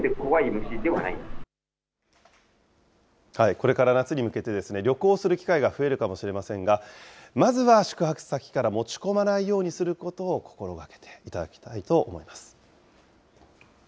これから夏に向けて、旅行する機会が増えるかもしれませんが、まずは宿泊先から持ち込まないようにすることを心がけていただきたいと思います。